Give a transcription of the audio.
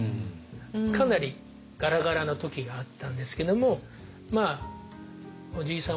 かなりガラガラな時があったんですけどもおじいさん